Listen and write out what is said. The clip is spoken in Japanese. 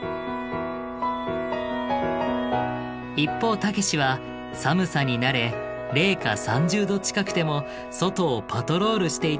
一方たけしは寒さに慣れ零下３０度近くても外をパトロールしていたんだとか。